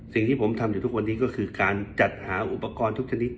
สิ่งที่ผมทำอยู่ทุกวันนี้ก็คือการจัดหาอุปกรณ์ทุกชนิด